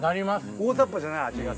大ざっぱじゃない味が。